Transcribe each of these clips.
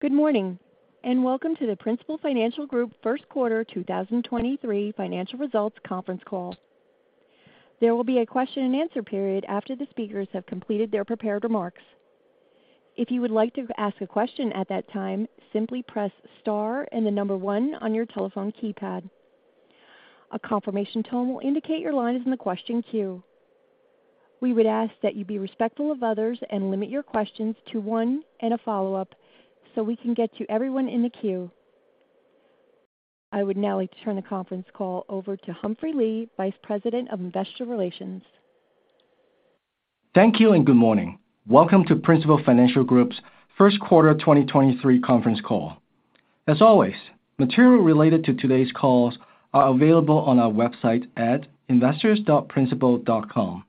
Good morning, welcome to the Principal Financial Group first quarter 2023 financial results conference call. There will be a question-and-answer period after the speakers have completed their prepared remarks. If you would like to ask a question at that time, simply press star and the one on your telephone keypad. A confirmation tone will indicate your line is in the question queue. We would ask that you be respectful of others and limit your questions to 1 and a follow-up so we can get to everyone in the queue. I would now like to turn the conference call over to Humphrey Lee, Vice President of Investor Relations. Thank you and good morning. Welcome to Principal Financial Group's 1st quarter 2023 conference call. As always, material related to today's calls are available on our website at investors.principal.com.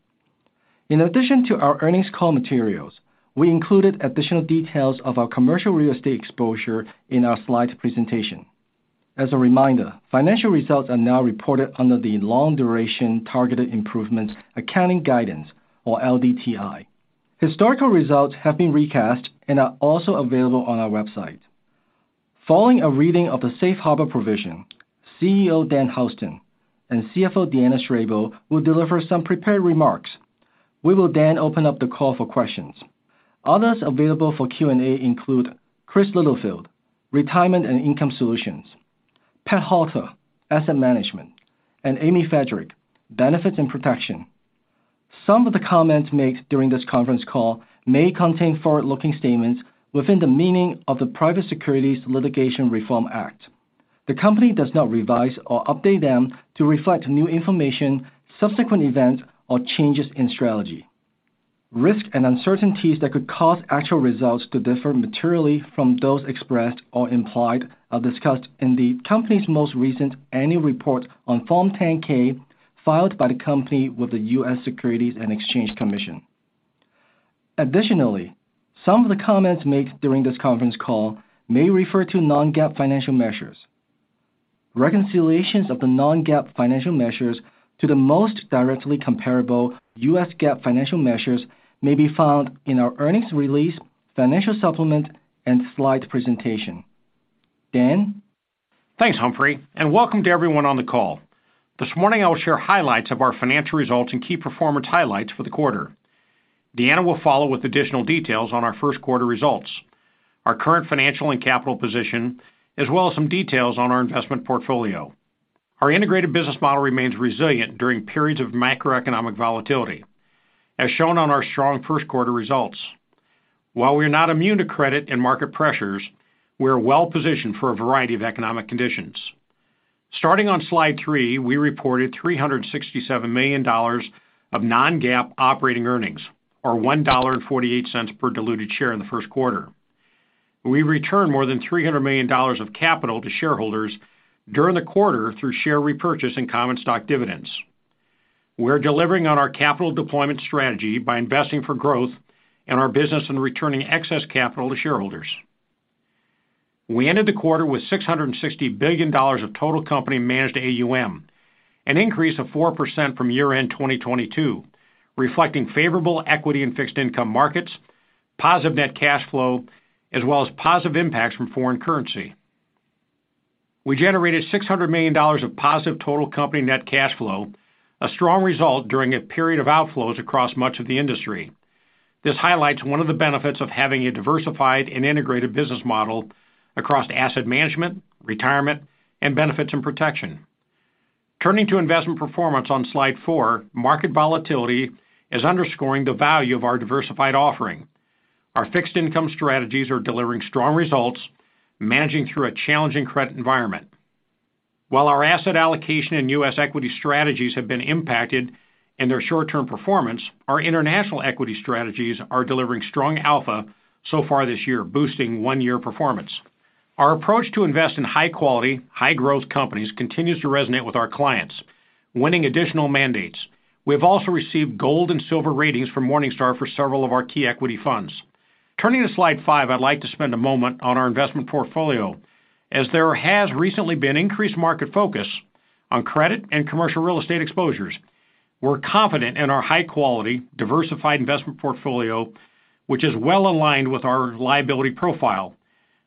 In addition to our earnings call materials, we included additional details of our commercial real estate exposure in our slide presentation. As a reminder, financial results are now reported under the long duration targeted improvements accounting guidance, or LDTI. Historical results have been recast and are also available on our website. Following a reading of the Safe Harbor Provision, CEO Dan Houston and CFO Deanna Strable will deliver some prepared remarks. We will then open up the call for questions. Others available for Q&A include Chris Littlefield, Retirement and Income Solutions, Pat Halter, Asset Management, and Amy Friedrich, Benefits and Protection. Some of the comments made during this conference call may contain forward-looking statements within the meaning of the Private Securities Litigation Reform Act. The company does not revise or update them to reflect new information, subsequent events, or changes in strategy. Risks and uncertainties that could cause actual results to differ materially from those expressed or implied are discussed in the company's most recent annual report on Form 10-K filed by the company with the US Securities and Exchange Commission. Additionally, some of the comments made during this conference call may refer to non-GAAP financial measures. Reconciliations of the non-GAAP financial measures to the most directly comparable US GAAP financial measures may be found in our earnings release, financial supplement, and slide presentation. Dan? Thanks, Humphrey. Welcome to everyone on the call. This morning, I will share highlights of our financial results and key performance highlights for the quarter. Deanna will follow with additional details on our first quarter results, our current financial and capital position, as well as some details on our investment portfolio. Our integrated business model remains resilient during periods of macroeconomic volatility, as shown on our strong first quarter results. While we are not immune to credit and market pressures, we are well-positioned for a variety of economic conditions. Starting on slide 3, we reported $367 million of non-GAAP operating earnings, or $1.48 per diluted share in the first quarter. We returned more than $300 million of capital to shareholders during the quarter through share repurchase and common stock dividends. We're delivering on our capital deployment strategy by investing for growth in our business and returning excess capital to shareholders. We ended the quarter with $660 billion of total company managed AUM, an increase of 4% from year-end 2022, reflecting favorable equity and fixed income markets, positive net cash flow, as well as positive impacts from foreign currency. We generated $600 million of positive total company net cash flow, a strong result during a period of outflows across much of the industry. This highlights one of the benefits of having a diversified and integrated business model across asset management, retirement, and benefits and protection. Turning to investment performance on slide 4, market volatility is underscoring the value of our diversified offering. Our fixed income strategies are delivering strong results, managing through a challenging credit environment. While our asset allocation and U.S. equity strategies have been impacted in their short-term performance, our international equity strategies are delivering strong alpha so far this year, boosting one-year performance. Our approach to invest in high quality, high growth companies continues to resonate with our clients, winning additional mandates. We have also received gold and silver ratings from Morningstar for several of our key equity funds. Turning to slide 5, I'd like to spend a moment on our investment portfolio, as there has recently been increased market focus on credit and commercial real estate exposures. We're confident in our high quality, diversified investment portfolio, which is well aligned with our liability profile.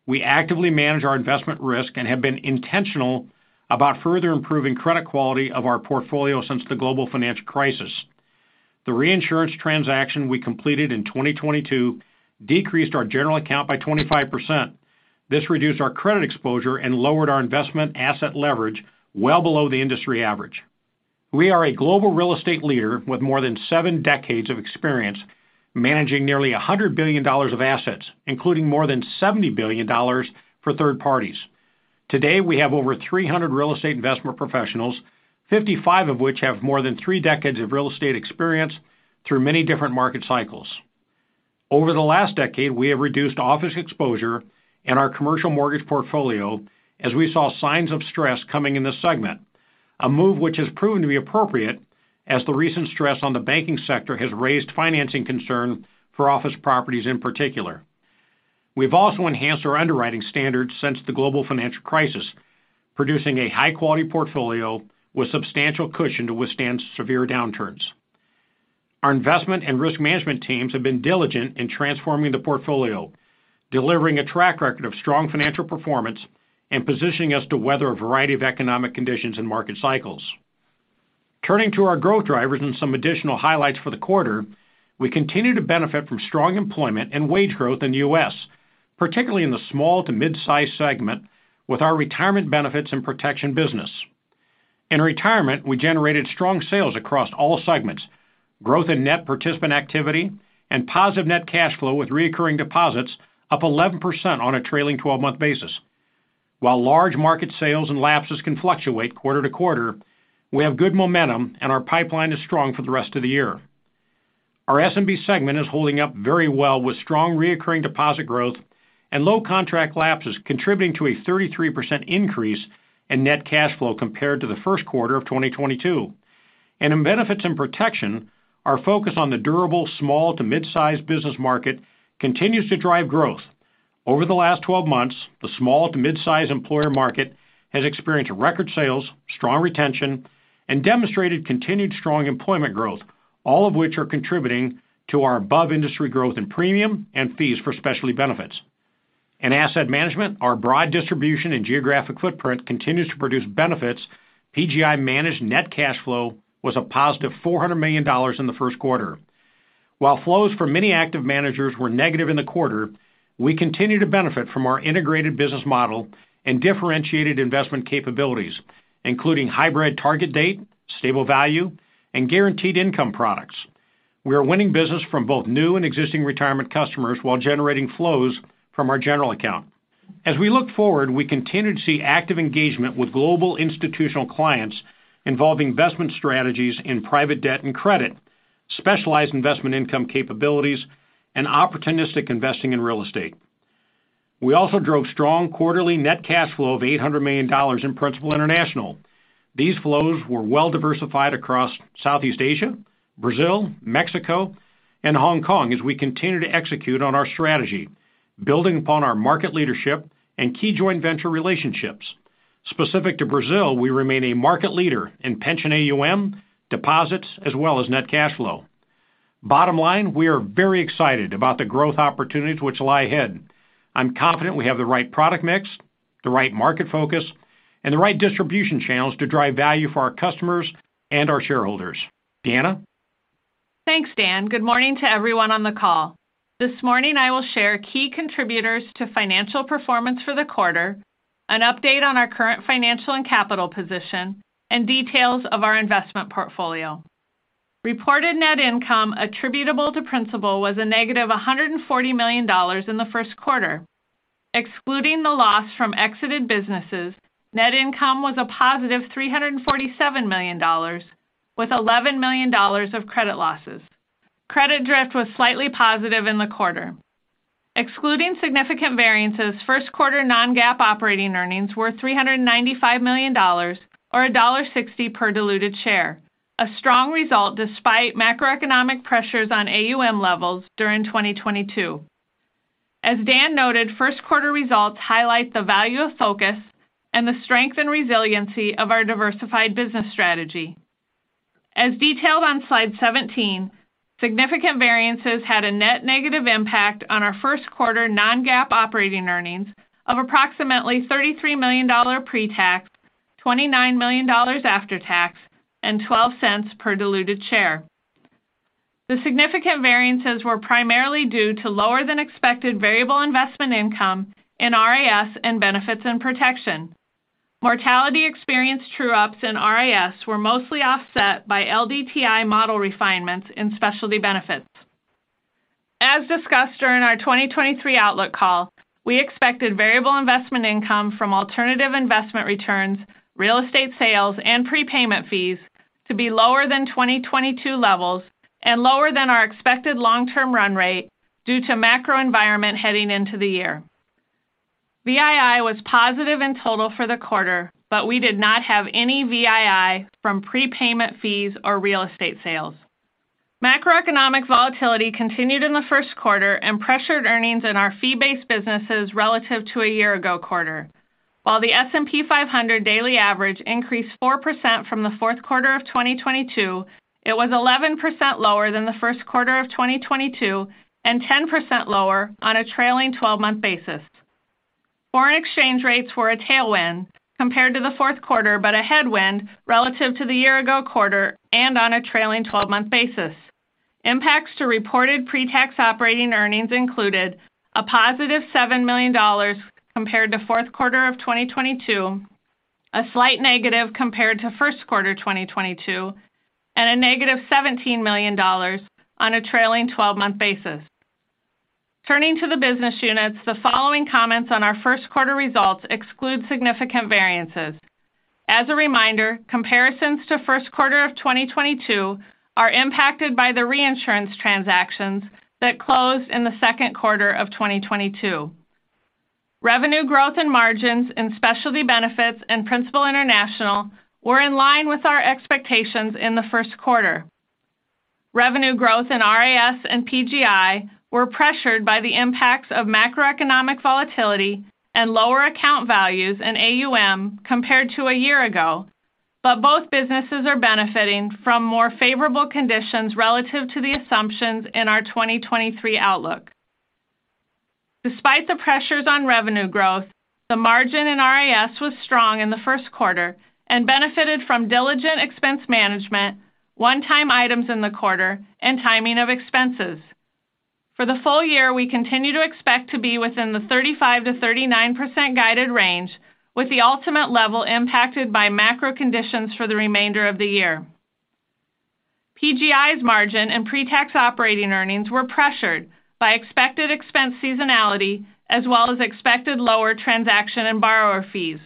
We actively manage our investment risk and have been intentional about further improving credit quality of our portfolio since the global financial crisis. The reinsurance transaction we completed in 2022 decreased our general account by 25%. This reduced our credit exposure and lowered our investment asset leverage well below the industry average. We are a global real estate leader with more than 7 decades of experience managing nearly $100 billion of assets, including more than $70 billion for third parties. Today, we have over 300 real estate investment professionals, 55 of which have more than 3 decades of real estate experience through many different market cycles. Over the last decade, we have reduced office exposure in our commercial mortgage portfolio as we saw signs of stress coming in this segment, a move which has proven to be appropriate as the recent stress on the banking sector has raised financing concern for office properties in particular. We've also enhanced our underwriting standards since the global financial crisis, producing a high quality portfolio with substantial cushion to withstand severe downturns. Our investment and risk management teams have been diligent in transforming the portfolio, delivering a track record of strong financial performance and positioning us to weather a variety of economic conditions and market cycles. Turning to our growth drivers and some additional highlights for the quarter, we continue to benefit from strong employment and wage growth in the U.S., particularly in the small to mid-size segment with our retirement benefits and protection business. In retirement, we generated strong sales across all segments, growth in net participant activity, and positive net cash flow, with reoccurring deposits up 11% on a trailing 12-month basis. While large market sales and lapses can fluctuate quarter to quarter, we have good momentum, and our pipeline is strong for the rest of the year. Our SMB segment is holding up very well, with strong reoccurring deposit growth and low contract lapses contributing to a 33% increase in net cash flow compared to the first quarter of 2022. In benefits and protection, our focus on the durable small to mid-sized business market continues to drive growth. Over the last 12 months, the small to mid-size employer market has experienced record sales, strong retention, and demonstrated continued strong employment growth, all of which are contributing to our above-industry growth in premium and fees for specialty benefits. In asset management, our broad distribution and geographic footprint continues to produce benefits. PGI managed net cash flow was a positive $400 million in the first quarter. While flows for many active managers were negative in the quarter, we continue to benefit from our integrated business model and differentiated investment capabilities, including hybrid target date, stable value, and guaranteed income products. We are winning business from both new and existing retirement customers while generating flows from our general account. As we look forward, we continue to see active engagement with global institutional clients involving investment strategies in private debt and credit, specialized investment income capabilities, and opportunistic investing in real estate. We also drove strong quarterly net cash flow of $800 million in Principal International. These flows were well diversified across Southeast Asia, Brazil, Mexico, and Hong Kong as we continue to execute on our strategy, building upon our market leadership and key joint venture relationships. Specific to Brazil, we remain a market leader in pension AUM, deposits, as well as net cash flow. Bottom line, we are very excited about the growth opportunities which lie ahead. I'm confident we have the right product mix, the right market focus, and the right distribution channels to drive value for our customers and our shareholders. Deanna? Thanks, Dan. Good morning to everyone on the call. This morning, I will share key contributors to financial performance for the quarter, an update on our current financial and capital position, and details of our investment portfolio. Reported net income attributable to Principal was a negative $140 million in the first quarter. Excluding the loss from exited businesses, net income was a positive $347 million with $11 million of credit losses. Credit drift was slightly positive in the quarter. Excluding significant variances, first quarter non-GAAP operating earnings were $395 million or $1.60 per diluted share, a strong result despite macroeconomic pressures on AUM levels during 2022. As Dan noted, first quarter results highlight the value of focus and the strength and resiliency of our diversified business strategy. As detailed on slide 17, significant variances had a net negative impact on our first quarter non-GAAP operating earnings of approximately $33 million pre-tax, $29 million after tax, and $0.12 per diluted share. The significant variances were primarily due to lower than expected variable investment income in RIS and Benefits and Protection. Mortality experience true-ups in RIS were mostly offset by LDTI model refinements in Specialty Benefits. As discussed during our 2023 outlook call, we expected variable investment income from alternative investment returns, real estate sales, and prepayment fees to be lower than 2022 levels and lower than our expected long-term run rate due to macro environment heading into the year. VII was positive in total for the quarter, but we did not have any VII from prepayment fees or real estate sales. Macroeconomic volatility continued in the first quarter and pressured earnings in our fee-based businesses relative to a year ago quarter. While the S&P 500 daily average increased 4% from the fourth quarter of 2022, it was 11% lower than the first quarter of 2022 and 10% lower on a trailing twelve-month basis. Foreign exchange rates were a tailwind compared to the fourth quarter, but a headwind relative to the year-ago quarter and on a trailing twelve-month basis. Impacts to reported pre-tax operating earnings included a positive $7 million compared to fourth quarter of 2022, a slight negative compared to first quarter 2022, and a negative $17 million on a trailing twelve-month basis. Turning to the business units, the following comments on our first quarter results exclude significant variances. As a reminder, comparisons to first quarter of 2022 are impacted by the reinsurance transactions that closed in the second quarter of 2022. Revenue growth and margins in specialty benefits and Principal International were in line with our expectations in the first quarter. Revenue growth in RIS and PGI were pressured by the impacts of macroeconomic volatility and lower account values in AUM compared to a year ago. Both businesses are benefiting from more favorable conditions relative to the assumptions in our 2023 outlook. Despite the pressures on revenue growth, the margin in RIS was strong in the first quarter and benefited from diligent expense management, one-time items in the quarter, and timing of expenses. For the full year, we continue to expect to be within the 35%-39% guided range, with the ultimate level impacted by macro conditions for the remainder of the year. PGI's margin and pre-tax operating earnings were pressured by expected expense seasonality as well as expected lower transaction and borrower fees.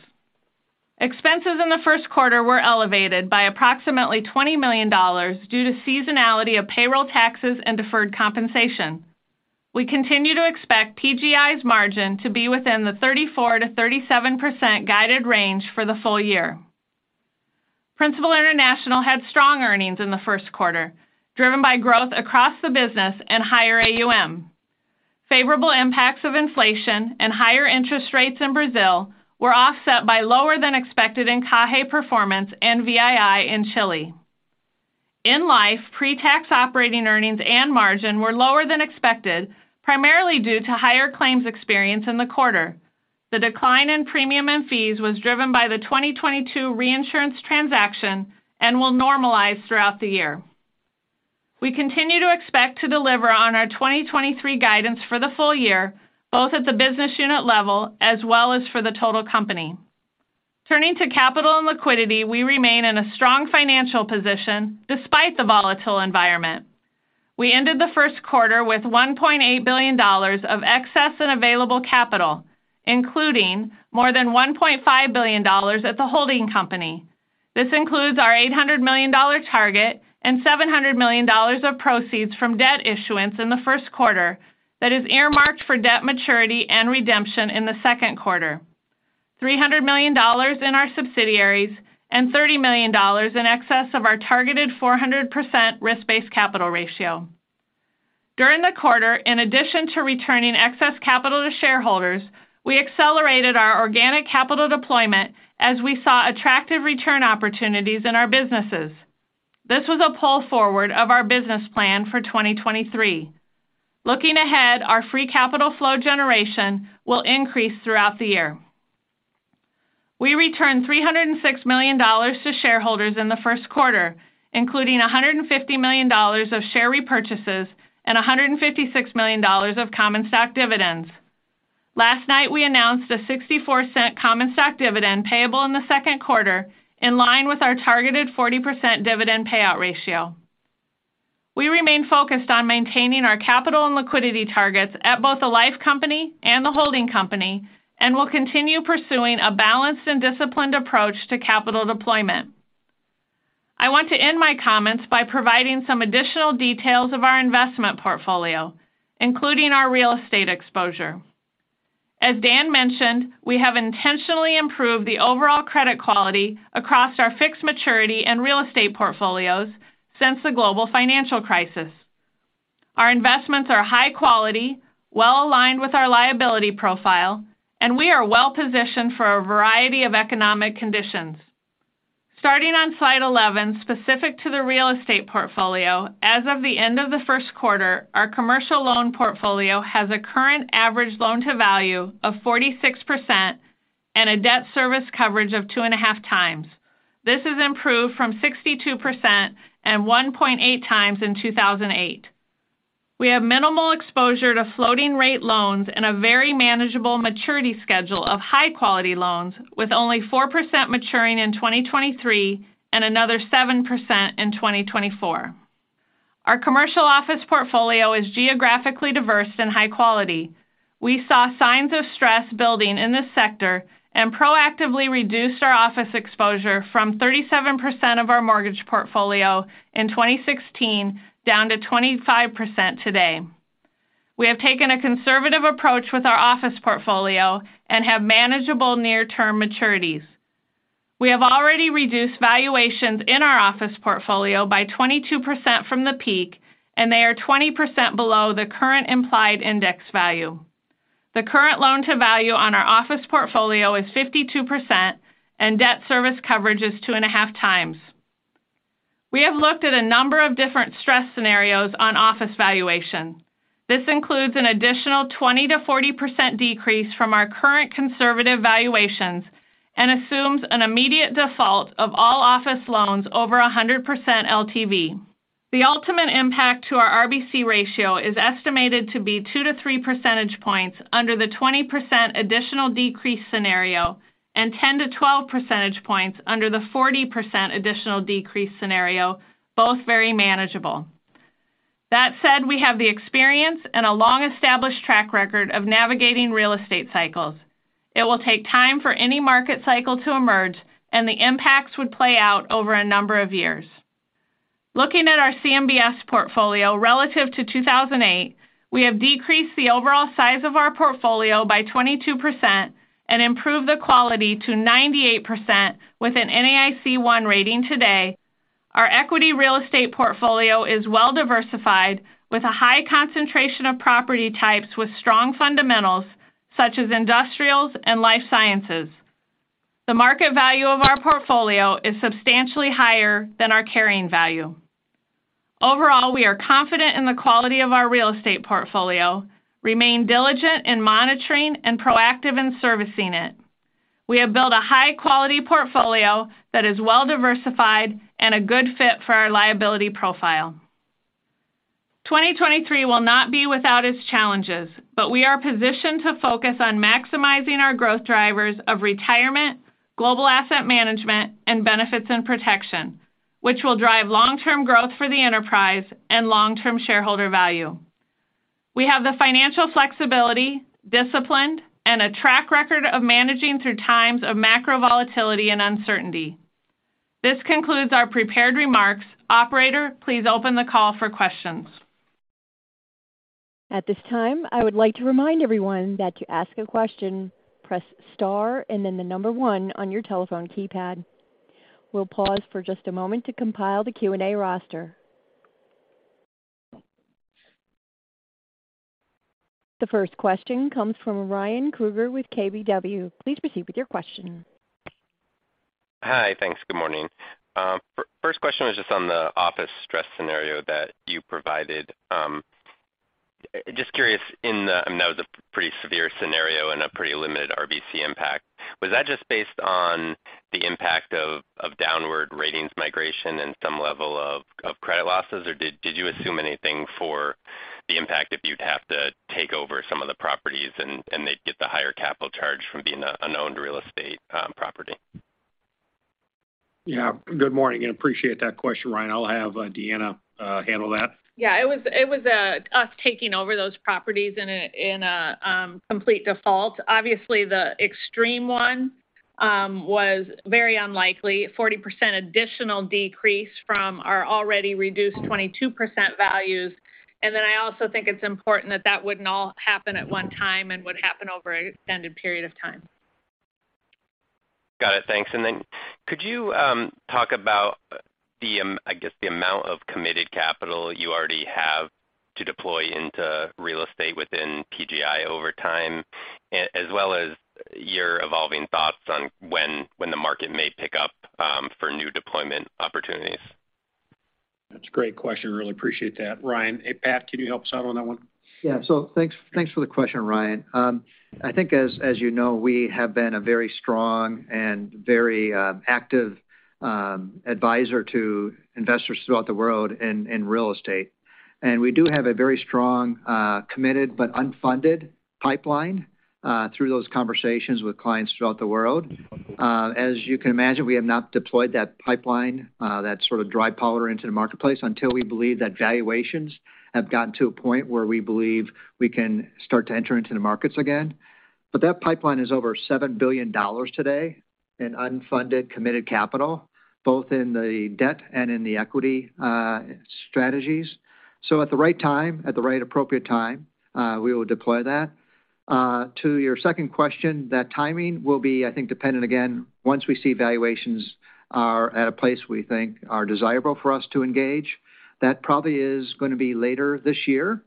Expenses in the first quarter were elevated by approximately $20 million due to seasonality of payroll taxes and deferred compensation. We continue to expect PGI's margin to be within the 34%-37% guided range for the full year. Principal International had strong earnings in the first quarter, driven by growth across the business and higher AUM. Favorable impacts of inflation and higher interest rates in Brazil were offset by lower than expected in CAHE performance and VII in Chile. In Life, pre-tax operating earnings and margin were lower than expected, primarily due to higher claims experience in the quarter. The decline in premium and fees was driven by the 2022 reinsurance transaction and will normalize throughout the year. We continue to expect to deliver on our 2023 guidance for the full year, both at the business unit level as well as for the total company. Turning to capital and liquidity, we remain in a strong financial position despite the volatile environment. We ended the first quarter with $1.8 billion of excess and available capital, including more than $1.5 billion at the holding company. This includes our $800 million target and $700 million of proceeds from debt issuance in the first quarter that is earmarked for debt maturity and redemption in the second quarter. $300 million in our subsidiaries and $30 million in excess of our targeted 400% risk-based capital ratio. During the quarter, in addition to returning excess capital to shareholders, we accelerated our organic capital deployment as we saw attractive return opportunities in our businesses. This was a pull forward of our business plan for 2023. Looking ahead, our free capital flow generation will increase throughout the year. We returned $306 million to shareholders in the first quarter, including $150 million of share repurchases and $156 million of common stock dividends. Last night, we announced a $0.64 common stock dividend payable in the second quarter, in line with our targeted 40% dividend payout ratio. We remain focused on maintaining our capital and liquidity targets at both the life company and the holding company, and will continue pursuing a balanced and disciplined approach to capital deployment. I want to end my comments by providing some additional details of our investment portfolio, including our real estate exposure. As Dan mentioned, we have intentionally improved the overall credit quality across our fixed maturity and real estate portfolios since the global financial crisis. Our investments are high quality, well aligned with our liability profile, and we are well positioned for a variety of economic conditions. Starting on slide 11, specific to the real estate portfolio, as of the end of the first quarter, our commercial loan portfolio has a current average loan to value of 46% and a debt service coverage of 2.5 times. This has improved from 62% and 1.8 times in 2008. We have minimal exposure to floating rate loans and a very manageable maturity schedule of high quality loans with only 4% maturing in 2023 and another 7% in 2024. Our commercial office portfolio is geographically diverse and high quality. We saw signs of stress building in this sector and proactively reduced our office exposure from 37% of our mortgage portfolio in 2016 down to 25% today. We have taken a conservative approach with our office portfolio and have manageable near term maturities. We have already reduced valuations in our office portfolio by 22% from the peak, and they are 20% below the current implied index value. The current loan to value on our office portfolio is 52% and debt service coverage is 2.5 times. We have looked at a number of different stress scenarios on office valuation. This includes an additional 20%-40% decrease from our current conservative valuations and assumes an immediate default of all office loans over a 100% LTV. The ultimate impact to our RBC ratio is estimated to be 2-3 percentage points under the 20% additional decrease scenario and 10-12 percentage points under the 40% additional decrease scenario, both very manageable. That said, we have the experience and a long-established track record of navigating real estate cycles. It will take time for any market cycle to emerge. The impacts would play out over a number of years. Looking at our CMBS portfolio relative to 2008, we have decreased the overall size of our portfolio by 22% and improved the quality to 98% with an NAIC 1 rating today. Our equity real estate portfolio is well diversified with a high concentration of property types with strong fundamentals such as industrials and life sciences. The market value of our portfolio is substantially higher than our carrying value. Overall, we are confident in the quality of our real estate portfolio, remain diligent in monitoring and proactive in servicing it. We have built a high-quality portfolio that is well diversified and a good fit for our liability profile. 2023 will not be without its challenges, but we are positioned to focus on maximizing our growth drivers of Retirement, global asset management, and Benefits and Protection, which will drive long-term growth for the enterprise and long-term shareholder value. We have the financial flexibility, discipline, and a track record of managing through times of macro volatility and uncertainty. This concludes our prepared remarks. Operator, please open the call for questions. At this time, I would like to remind everyone that to ask a question, press star and then 1 on your telephone keypad. We'll pause for just a moment to compile the Q&A roster. The first question comes from Ryan Krueger with KBW. Please proceed with your question. Hi. Thanks. Good morning. First question was just on the office stress scenario that you provided. Just curious, in the... I know it's a pretty severe scenario and a pretty limited RBC impact. Was that just based on the impact of downward ratings migration and some level of credit losses, or did you assume anything for the impact if you'd have to take over some of the properties and they'd get the higher capital charge from being a, an owned real estate property? Yeah. Good morning, appreciate that question, Ryan. I'll have Deanna handle that. Yeah, it was, us taking over those properties in a, in a, complete default. Obviously, the extreme one, was very unlikely, 40% additional decrease from our already reduced 22% values. I also think it's important that that wouldn't all happen at one time and would happen over an extended period of time. Got it. Thanks. Could you talk about the, I guess, the amount of committed capital you already have to deploy into real estate within PGI over time, as well as your evolving thoughts on when the market may pick up for new deployment opportunities? That's a great question. Really appreciate that, Ryan. Hey, Pat, can you help us out on that one? Yeah. Thanks for the question, Ryan Krueger. I think as you know, we have been a very strong and very active advisor to investors throughout the world in real estate. We do have a very strong committed but unfunded pipeline through those conversations with clients throughout the world. As you can imagine, we have not deployed that pipeline that sort of dry powder into the marketplace until we believe that valuations have gotten to a point where we believe we can start to enter into the markets again. That pipeline is over $7 billion today in unfunded, committed capital, both in the debt and in the equity strategies. At the right time, at the right appropriate time, we will deploy that. To your second question, that timing will be, I think, dependent, again, once we see valuations are at a place we think are desirable for us to engage. That probably is gonna be later this year.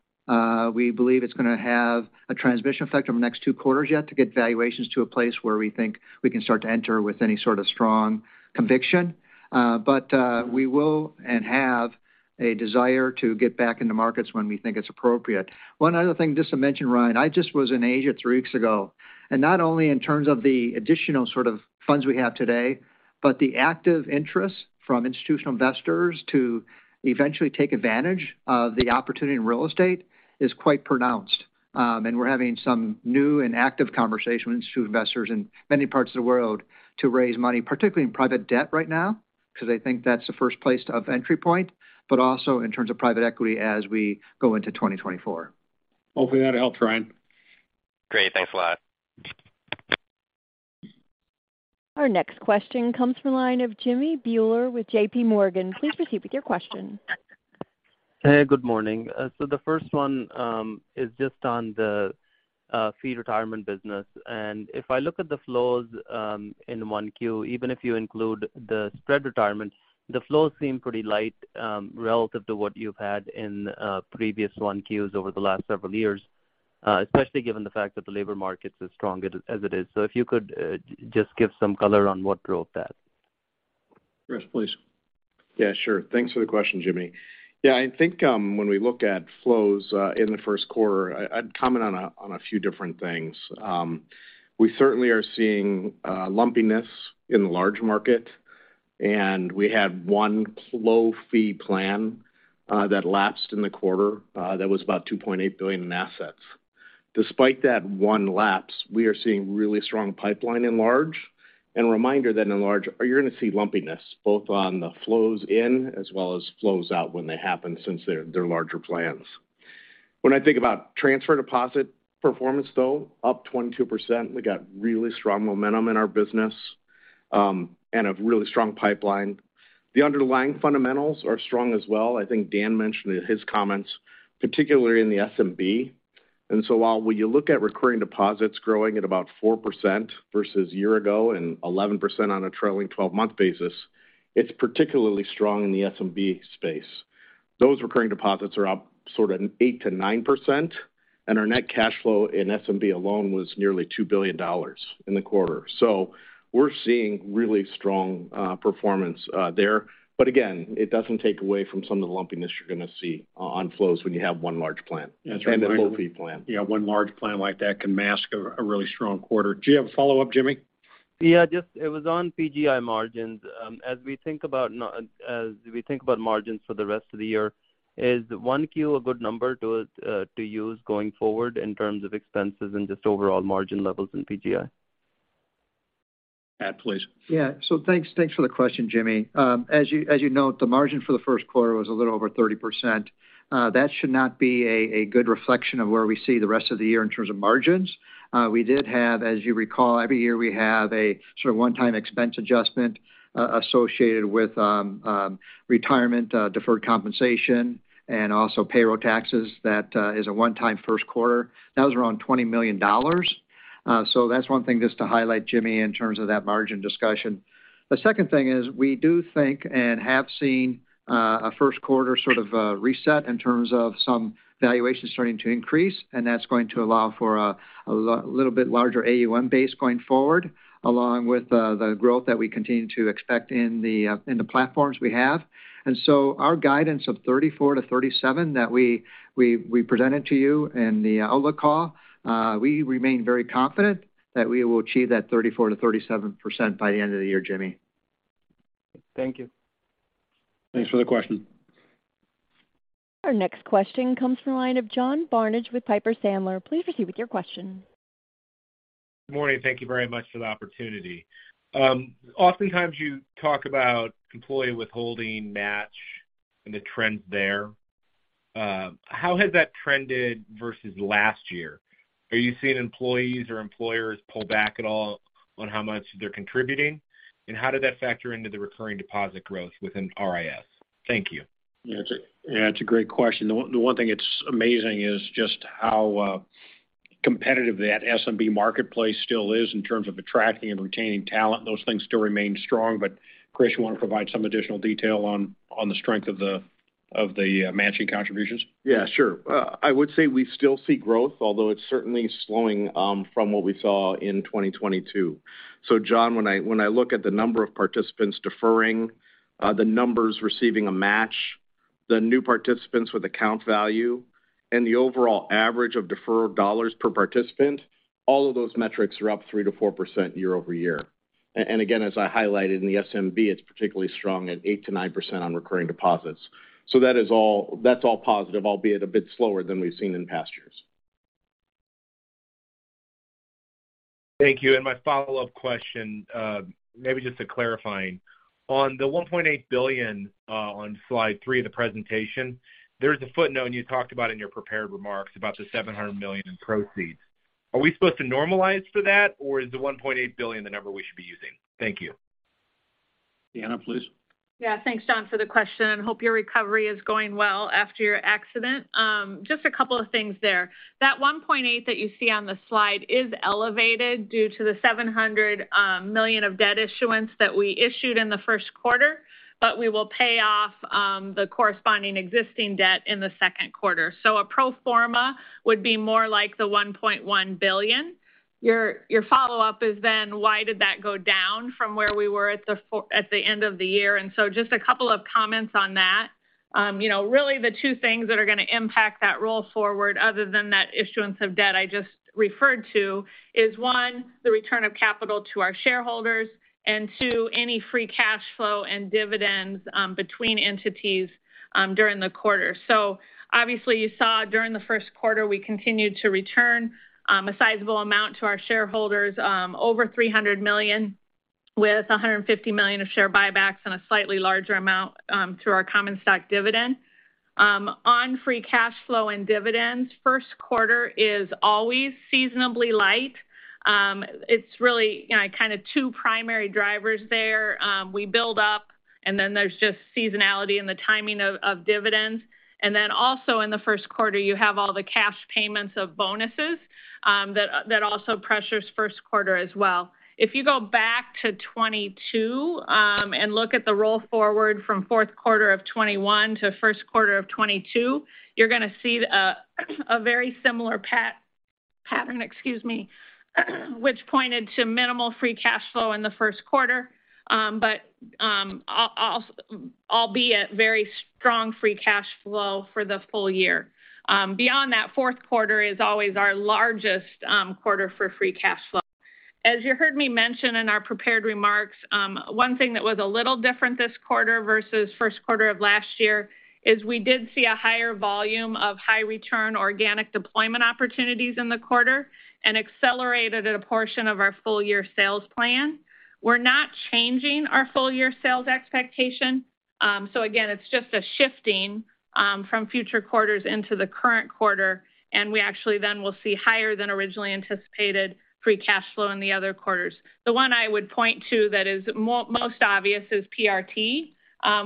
We believe it's gonna have a transmission effect over the next 2 quarters yet to get valuations to a place where we think we can start to enter with any sort of strong conviction. We will and have a desire to get back in the markets when we think it's appropriate. One other thing just to mention, Ryan, I just was in Asia 3 weeks ago, and not only in terms of the additional sort of funds we have today, but the active interest from institutional investors to eventually take advantage of the opportunity in real estate is quite pronounced. We're having some new and active conversations with institutional investors in many parts of the world to raise money, particularly in private debt right now, because I think that's the first place of entry point, but also in terms of private equity as we go into 2024. Hopefully, that helps, Ryan. Great. Thanks a lot. Our next question comes from the line of Jimmy Bhullar with J.P. Morgan. Please proceed with your question. Hey, good morning. The first one is just on the fee retirement business. If I look at the flows in 1Q, even if you include the spread retirement, the flows seem pretty light relative to what you've had in previous 1Qs over the last several years, especially given the fact that the labor market's as strong as it is. If you could just give some color on what drove that. Chris, please. Sure. Thanks for the question, Jimmy. I think, when we look at flows in the first quarter, I'd comment on a few different things. We certainly are seeing lumpiness in large market, and we had one flow fee plan that lapsed in the quarter that was about $2.8 billion in assets. Despite that one lapse, we are seeing really strong pipeline in large. A reminder that in large, you're gonna see lumpiness, both on the flows in as well as flows out when they happen since they're larger plans. When I think about transfer deposit performance, though, up 22%, we got really strong momentum in our business and a really strong pipeline. The underlying fundamentals are strong as well. I think Dan mentioned in his comments, particularly in the SMB. While when you look at recurring deposits growing at about 4% versus year ago and 11% on a trailing twelve-month basis, it's particularly strong in the SMB space. Those recurring deposits are up sort of 8%-9%. Our net cash flow in SMB alone was nearly $2 billion in the quarter. We're seeing really strong performance there. Again, it doesn't take away from some of the lumpiness you're gonna see on flows when you have one large plan. That's right. A low fee plan. Yeah, one large plan like that can mask a really strong quarter. Do you have a follow-up, Jimmy? Just it was on PGI margins. As we think about margins for the rest of the year, is 1Q a good number to use going forward in terms of expenses and just overall margin levels in PGI? Pat, please. Yeah. Thanks, thanks for the question, Jimmy. As you, as you note, the margin for the first quarter was a little over 30%. That should not be a good reflection of where we see the rest of the year in terms of margins. We did have, as you recall, every year we have a sort of one-time expense adjustment associated with retirement, deferred compensation and also payroll taxes that is a one-time first quarter. That was around $20 million. So that's one thing just to highlight, Jimmy, in terms of that margin discussion. The second thing is we do think and have seen a first quarter sort of reset in terms of some valuation starting to increase, and that's going to allow for a little bit larger AUM base going forward, along with the growth that we continue to expect in the platforms we have. Our guidance of 34%-37% that we presented to you in the outlook call, we remain very confident that we will achieve that 34%-37% by the end of the year, Jimmy. Thank you. Thanks for the question. Our next question comes from the line of John Barnidge with Piper Sandler. Please proceed with your question. Good morning. Thank you very much for the opportunity. Oftentimes you talk about employee withholding match and the trends there. How has that trended versus last year? Are you seeing employees or employers pull back at all on how much they're contributing? How did that factor into the recurring deposit growth within RIS? Thank you. It's a great question. The one thing that's amazing is just how competitive that SMB marketplace still is in terms of attracting and retaining talent. Those things still remain strong. Chris, you want to provide some additional detail on the strength of the matching contributions? Yeah, sure. I would say we still see growth, although it's certainly slowing from what we saw in 2022. John, when I look at the number of participants deferring, the numbers receiving a match, the new participants with account value and the overall average of deferred dollars per participant, all of those metrics are up 3%-4% year-over-year. Again, as I highlighted in the SMB, it's particularly strong at 8%-9% on recurring deposits. That's all positive, albeit a bit slower than we've seen in past years. Thank you. My follow-up question, maybe just a clarifying. On the $1.8 billion, on slide 3 of the presentation, there's a footnote you talked about in your prepared remarks about the $700 million in proceeds. Are we supposed to normalize for that, or is the $1.8 billion the number we should be using? Thank you. Deanna, please. Yeah. Thanks, John, for the question. Hope your recovery is going well after your accident. Just a couple of things there. That $1.8 that you see on the slide is elevated due to the $700 million of debt issuance that we issued in the first quarter, but we will pay off the corresponding existing debt in the second quarter. A pro forma would be more like the $1.1 billion. Your, your follow-up is then why did that go down from where we were at the end of the year? Just a couple of comments on that. You know, really the two things that are gonna impact that roll forward other than that issuance of debt I just referred to is, one, the return of capital to our shareholders, and two, any free cash flow and dividends between entities during the quarter. Obviously you saw during the first quarter, we continued to return a sizable amount to our shareholders, over $300 million, with $150 million of share buybacks and a slightly larger amount through our common stock dividend. On free cash flow and dividends, first quarter is always seasonably light. It's really, you know, kind of two primary drivers there. We build up, and then there's just seasonality and the timing of dividends. Also in the first quarter, you have all the cash payments of bonuses that also pressures first quarter as well. If you go back to 2022 and look at the roll forward from fourth quarter of 2021 to first quarter of 2022, you're gonna see a very similar pattern, excuse me, which pointed to minimal free cash flow in the first quarter. Albeit very strong free cash flow for the full year. Beyond that, fourth quarter is always our largest quarter for free cash flow. As you heard me mention in our prepared remarks, one thing that was a little different this quarter versus first quarter of last year is we did see a higher volume of high return organic deployment opportunities in the quarter and accelerated a portion of our full year sales plan. We're not changing our full year sales expectation. Again, it's just a shifting from future quarters into the current quarter, and we actually then will see higher than originally anticipated free cash flow in the other quarters. The one I would point to that is most obvious is PRT.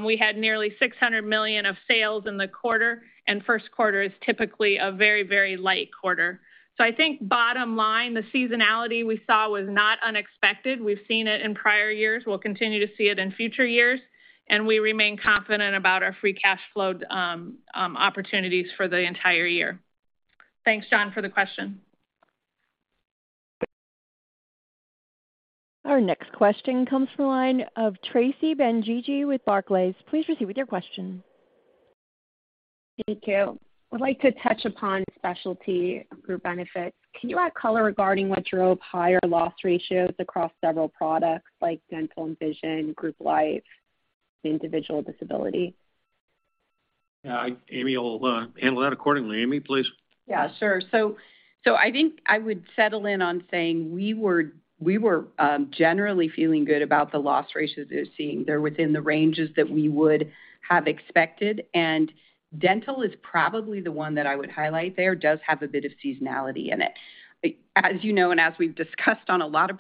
We had nearly $600 million of sales in the quarter, and first quarter is typically a very light quarter. I think bottom line, the seasonality we saw was not unexpected. We've seen it in prior years. We'll continue to see it in future years, and we remain confident about our free cash flow opportunities for the entire year. Thanks, John, for the question. Our next question comes from the line of Tracy Dolin-Benguigui with Barclays. Please proceed with your question. Thank you. Would like to touch upon specialty group benefits. Can you add color regarding what drove higher loss ratios across several products like dental and vision, group life, individual disability? Yeah. Amy will handle that accordingly. Amy, please. Sure. I think I would settle in on saying we were generally feeling good about the loss ratios we're seeing. They're within the ranges that we would have expected. Dental is probably the one that I would highlight there, does have a bit of seasonality in it. As you know, and as we've discussed on a lot of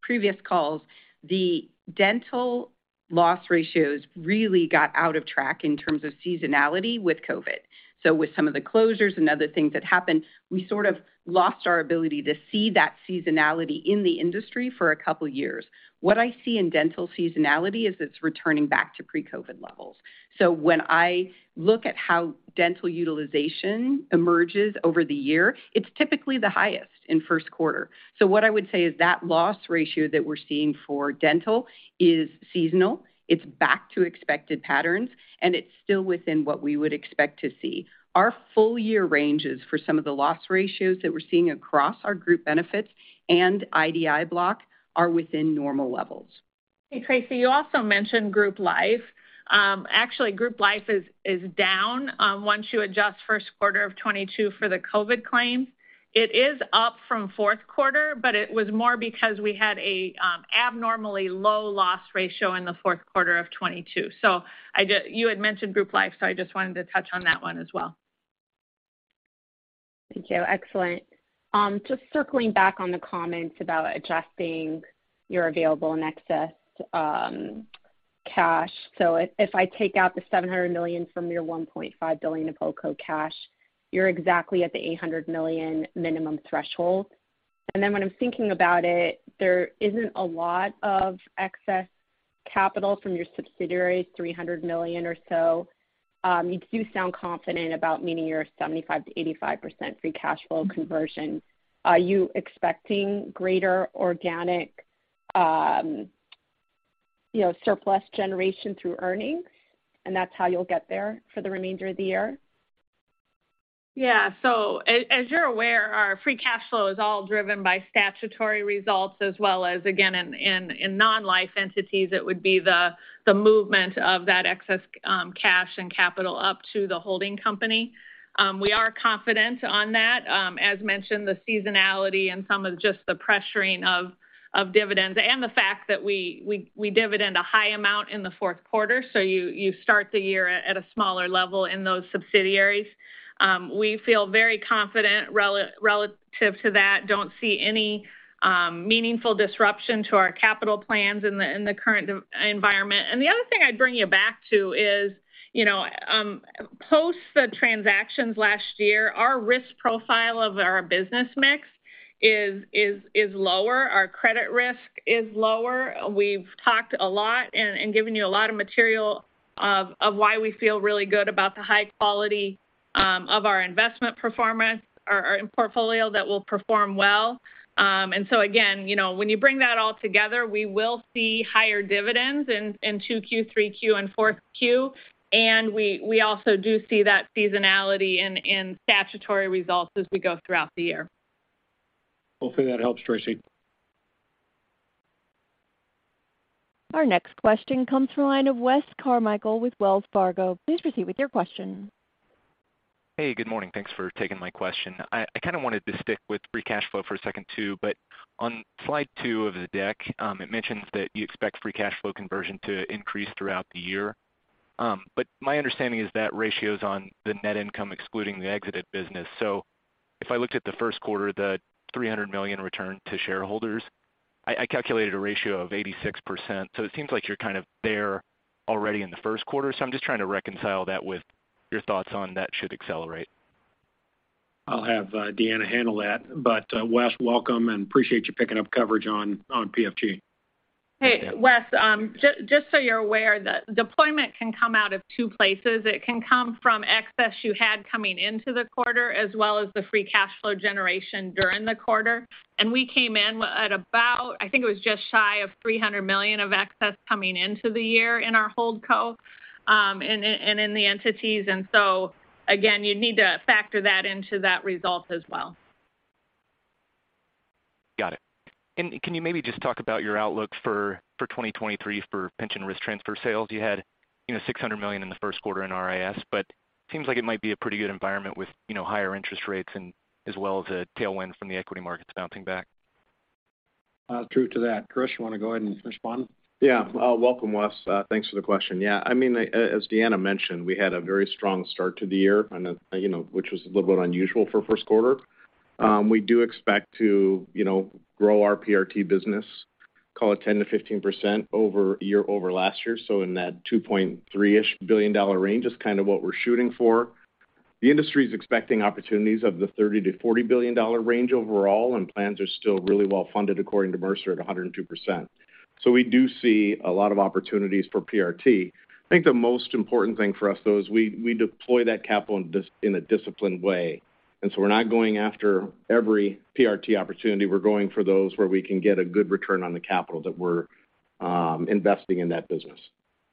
previous calls, the dental loss ratios really got out of track in terms of seasonality with COVID. With some of the closures and other things that happened, we sort of lost our ability to see that seasonality in the industry for a couple years. What I see in dental seasonality is it's returning back to pre-COVID levels. When I look at how dental utilization emerges over the year, it's typically the highest in first quarter. What I would say is that loss ratio that we're seeing for dental is seasonal, it's back to expected patterns, and it's still within what we would expect to see. Our full year ranges for some of the loss ratios that we're seeing across our group benefits and IDI block are within normal levels. Hey, Tracy, you also mentioned group life. Actually, group life is down once you adjust first quarter of 2022 for the COVID claims. It is up from fourth quarter, but it was more because we had a abnormally low loss ratio in the fourth quarter of 2022. I just wanted to touch on that one as well. Thank you. Excellent. Just circling back on the comments about adjusting your available excess cash. If I take out the $700 million from your $1.5 billion of holdco cash, you're exactly at the $800 million minimum threshold. When I'm thinking about it, there isn't a lot of excess capital from your subsidiaries, $300 million or so. You do sound confident about meeting your 75%-85% free cash flow conversion. Are you expecting greater organic, you know, surplus generation through earnings, and that's how you'll get there for the remainder of the year? Yeah. As you're aware, our free cash flow is all driven by statutory results as well as, again, in non-life entities, it would be the movement of that excess cash and capital up to the holding company. We are confident on that. As mentioned, the seasonality and some of just the pressuring of dividends, and the fact that we dividend a high amount in the fourth quarter, so you start the year at a smaller level in those subsidiaries. We feel very confident relative to that. Don't see any meaningful disruption to our capital plans in the current environment. The other thing I'd bring you back to is, you know, post the transactions last year, our risk profile of our business mix is lower. Our credit risk is lower. We've talked a lot and given you a lot of material of why we feel really good about the high quality of our investment performance or in portfolio that will perform well. Again, you know, when you bring that all together, we will see higher dividends in two Q, three Q, and four Q. We also do see that seasonality in statutory results as we go throughout the year. Hopefully that helps, Tracy. Our next question comes from the line of Wes Carmichael with Wells Fargo. Please proceed with your question. Hey, good morning. Thanks for taking my question. I kind of wanted to stick with free cash flow for a second, too. On slide 2 of the deck, it mentions that you expect free cash flow conversion to increase throughout the year. My understanding is that ratio's on the net income, excluding the exited business. If I looked at the first quarter, the $300 million return to shareholders, I calculated a ratio of 86%. It seems like you're kind of there already in the first quarter. I'm just trying to reconcile that with your thoughts on that should accelerate. I'll have Deanna handle that. Wes, welcome, and appreciate you picking up coverage on PFG. Hey, Wes, just so you're aware, the deployment can come out of two places. It can come from excess you had coming into the quarter as well as the free cash flow generation during the quarter. We came in at about, I think it was just shy of $300 million of excess coming into the year in our holdco, and in the entities. Again, you need to factor that into that result as well. Got it. Can you maybe just talk about your outlook for 2023 for pension risk transfer sales? You had, you know, $600 million in the first quarter in RIS, seems like it might be a pretty good environment with, you know, higher interest rates and as well as a tailwind from the equity markets bouncing back. True to that. Chris, you want to go ahead and respond? Yeah. Welcome, Wes. Thanks for the question. Yeah, I mean, as Deanna mentioned, we had a very strong start to the year, and, you know, which was a little bit unusual for first quarter. We do expect to, you know, grow our PRT business, call it 10%-15% over last year. So in that $2.3 billion range is kind of what we're shooting for. The industry is expecting opportunities of the $30 billion-$40 billion range overall, and plans are still really well funded according to Mercer at 102%. We do see a lot of opportunities for PRT. I think the most important thing for us, though, is we deploy that capital in a disciplined way. We're not going after every PRT opportunity. We're going for those where we can get a good return on the capital that we're investing in that business.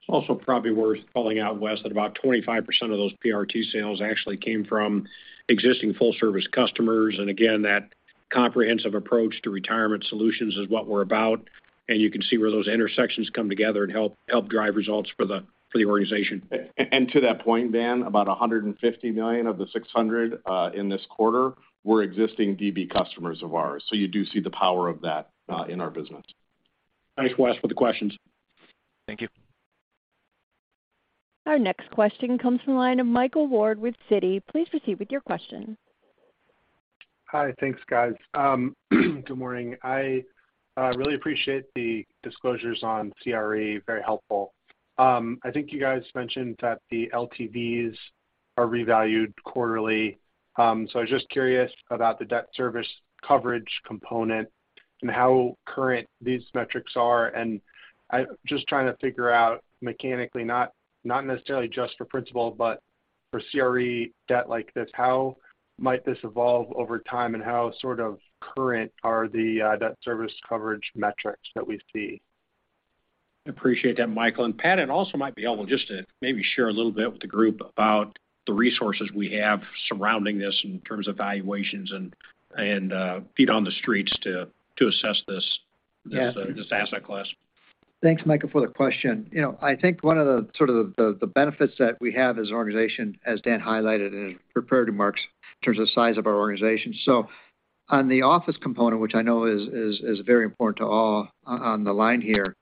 It's also probably worth calling out, Wes, that about 25% of those PRT sales actually came from existing full service customers. Again, that comprehensive approach to retirement solutions is what we're about, and you can see where those intersections come together and help drive results for the organization. To that point, Dan, about $150 million of the $600 in this quarter were existing DB customers of ours. You do see the power of that in our business. Thanks, Wes, for the questions. Thank you. Our next question comes from the line of Michael Ward with Citi. Please proceed with your question. Hi. Thanks, guys. Good morning. I really appreciate the disclosures on CRE. Very helpful. I think you guys mentioned that the LTVs are revalued quarterly. I was just curious about the debt service coverage component and how current these metrics are. I'm just trying to figure out mechanically, not necessarily just for Principal but for CRE debt like this, how might this evolve over time, and how sort of current are the debt service coverage metrics that we see? Appreciate that, Michael Ward. Pat Halter also might be able just to maybe share a little bit with the group about the resources we have surrounding this in terms of valuations and, feet on the streets to assess this asset class. Thanks, Michael, for the question. You know, I think one of the sort of the benefits that we have as an organization, as Dan highlighted and has prepared remarks in terms of size of our organization. On the office component, which I know is very important to all on the line here,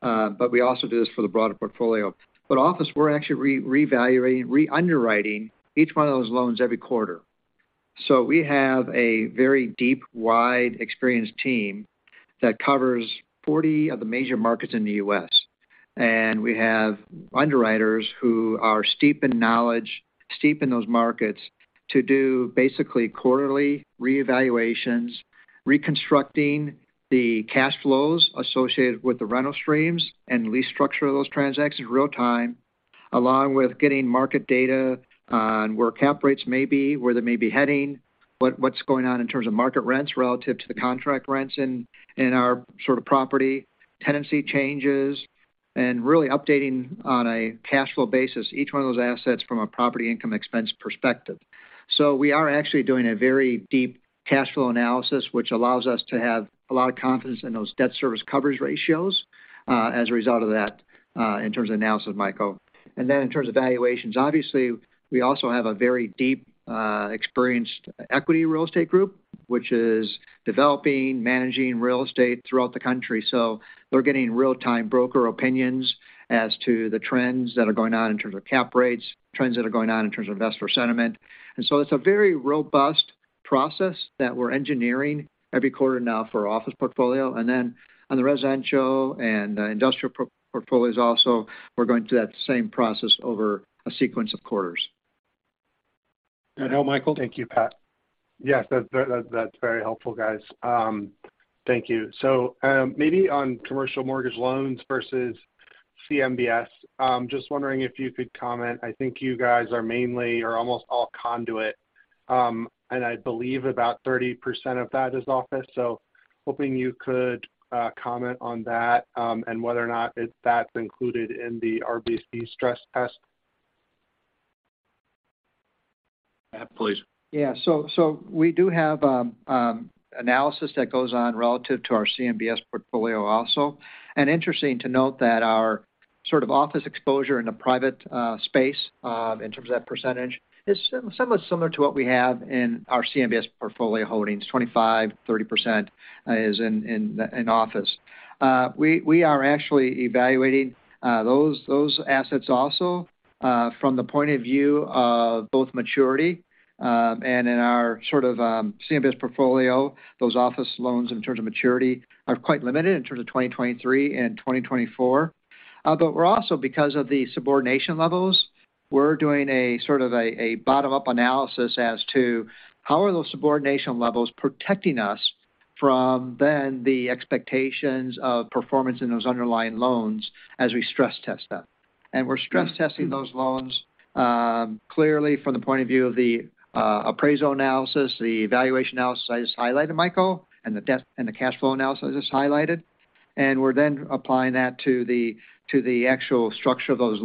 but we also do this for the broader portfolio. Office, we're actually revaluating, re-underwriting each one of those loans every quarter. We have a very deep, wide experienced team that covers 40 of the major markets in the US. We have underwriters who are steep in knowledge, steep in those markets to do basically quarterly reevaluations, reconstructing the cash flows associated with the rental streams and lease structure of those transactions real time, along with getting market data on where cap rates may be, where they may be heading, what's going on in terms of market rents relative to the contract rents in our sort of property, tenancy changes, and really updating on a cash flow basis each one of those assets from a property income expense perspective. We are actually doing a very deep cash flow analysis, which allows us to have a lot of confidence in those debt service coverage ratios, as a result of that, in terms of analysis, Michael. In terms of valuations, obviously, we also have a very deep, experienced equity real estate group, which is developing, managing real estate throughout the country. They're getting real-time broker opinions as to the trends that are going on in terms of cap rates, trends that are going on in terms of investor sentiment. It's a very robust process that we're engineering every quarter now for our office portfolio. On the residential and industrial pro-portfolios also, we're going through that same process over a sequence of quarters. That help, Michael? Thank you, Pat. Yes, that's very helpful, guys. Thank you. Maybe on commercial mortgage loans versus CMBS. Just wondering if you could comment. I think you guys are mainly or almost all conduit, and I believe about 30% of that is office. Hoping you could comment on that, and whether or not that's included in the RBC stress test. Pat, please. Yeah. We do have analysis that goes on relative to our CMBS portfolio also. Interesting to note that our sort of office exposure in the private space, in terms of that percentage is somewhat similar to what we have in our CMBS portfolio holdings, 25-30%, is in office. We are actually evaluating those assets also from the point of view of both maturity, and in our sort of CMBS portfolio. Those office loans in terms of maturity are quite limited in terms of 2023 and 2024. We're also because of the subordination levels, we're doing a sort of a bottom-up analysis as to how are those subordination levels protecting us from then the expectations of performance in those underlying loans as we stress test that. We're stress testing those loans, clearly from the point of view of the appraisal analysis, the valuation analysis I just highlighted, Michael, and the debt and the cash flow analysis I just highlighted. We're then applying that to the actual structure of those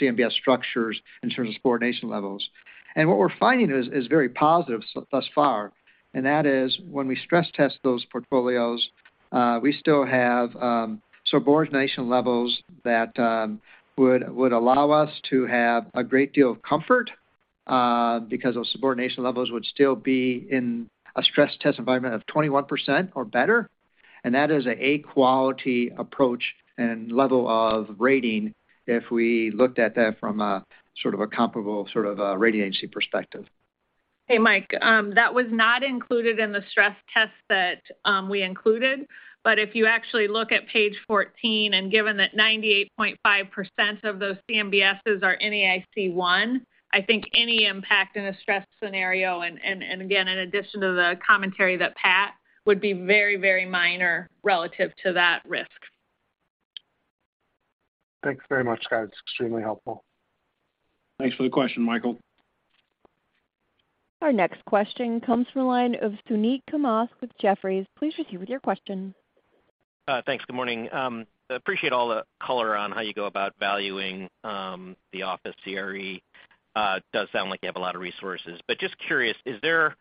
CMBS structures in terms of subordination levels. What we're finding is very positive thus far, and that is when we stress test those portfolios, we still have subordination levels that would allow us to have a great deal of comfort, because those subordination levels would still be in a stress test environment of 21% or better. That is a A quality approach and level of rating if we looked at that from a sort of a comparable sort of a rating agency perspective. Hey, Mike, that was not included in the stress test that we included. If you actually look at page 14, and given that 98.5% of those CMBSs are NAIC 1, I think any impact in a stress scenario and again, in addition to the commentary that Pat, would be very, very minor relative to that risk. Thanks very much, guys. Extremely helpful. Thanks for the question, Michael. Our next question comes from the line of Suneet Kamath with Jefferies. Please proceed with your question. Thanks. Good morning. I appreciate all the color on how you go about valuing the office CRE. It does sound like you have a lot of resources, but just curious, is there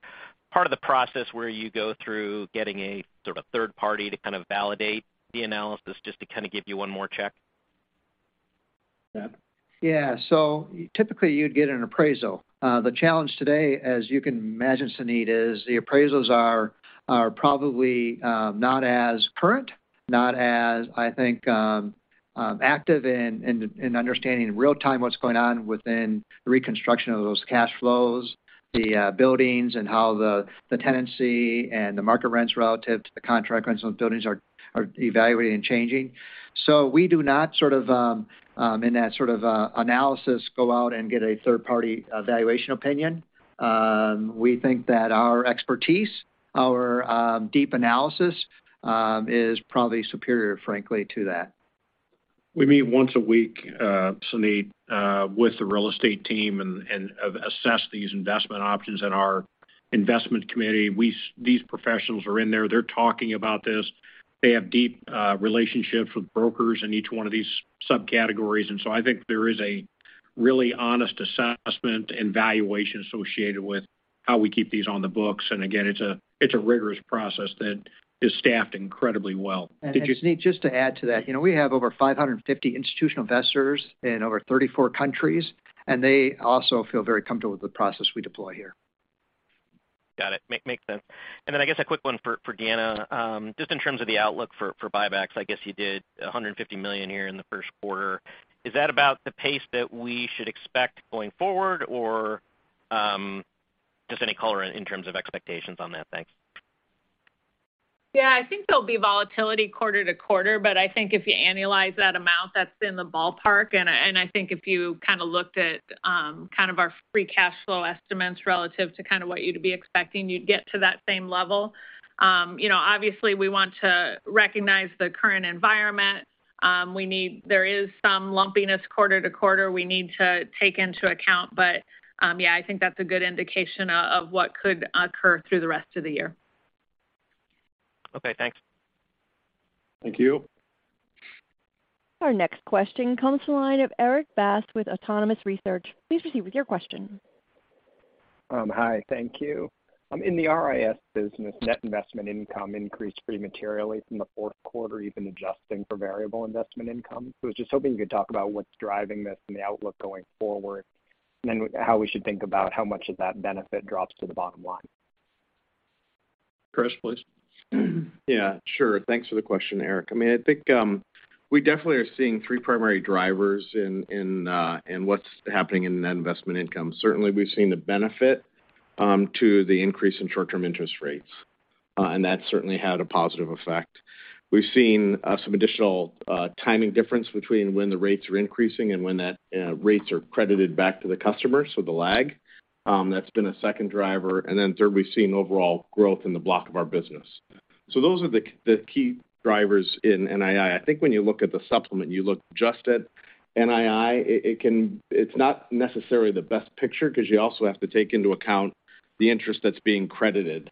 part of the process where you go through getting a sort of third party to kind of validate the analysis just to kind of give you one more check? Typically you'd get an appraisal. The challenge today, as you can imagine, Suneet, is the appraisals are probably not as current, not as, I think, active in understanding real time what's going on within the reconstruction of those cash flows, the buildings and how the tenancy and the market rents relative to the contract rents on buildings are evaluated and changing. We do not sort of, in that sort of, analysis, go out and get a third party evaluation opinion. We think that our expertise, our deep analysis, is probably superior, frankly, to that. We meet once a week, Suneet, with the real estate team and assess these investment options in our investment committee. These professionals are in there. They're talking about this. They have deep relationships with brokers in each one of these subcategories. I think there is a really honest assessment and valuation associated with how we keep these on the books. Again, it's a rigorous process that is staffed incredibly well. Did you- Suneet, just to add to that, you know, we have over 550 institutional investors in over 34 countries, and they also feel very comfortable with the process we deploy here. Got it. Make sense. I guess a quick one for Dana. Just in terms of the outlook for buybacks, I guess you did $150 million here in the first quarter. Is that about the pace that we should expect going forward? Or, just any color in terms of expectations on that? Thanks. Yeah, I think there'll be volatility quarter to quarter, but I think if you annualize that amount, that's in the ballpark. I think if you kind of looked at, kind of our free cash flow estimates relative to kind of what you'd be expecting, you'd get to that same level. You know, obviously we want to recognize the current environment. There is some lumpiness quarter to quarter we need to take into account. Yeah, I think that's a good indication of what could occur through the rest of the year. Okay, thanks. Thank you. Our next question comes from the line of Erik Bass with Autonomous Research. Please proceed with your question. Hi. Thank you. In the RIS business, net investment income increased pretty materially from the fourth quarter, even adjusting for variable investment income. I was just hoping you could talk about what's driving this and the outlook going forward, how we should think about how much of that benefit drops to the bottom line. Chris, please. Yeah, sure. Thanks for the question, Erik. I mean, I think, we definitely are seeing three primary drivers in what's happening in net investment income. Certainly, we've seen the benefit to the increase in short-term interest rates, and that certainly had a positive effect. We've seen some additional timing difference between when the rates are increasing and when that rates are credited back to the customer, so the lag. That's been a second driver. Then third, we've seen overall growth in the block of our business. Those are the key drivers in NII. I think when you look at the supplement, you look just at NII, it's not necessarily the best picture because you also have to take into account the interest that's being credited